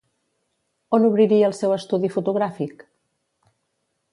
On obriria el seu estudi fotogràfic?